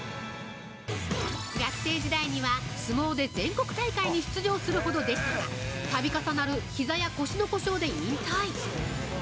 学生時代には、相撲で全国大会に出場するほどでしたがたび重なるひざや腰の故障で引退。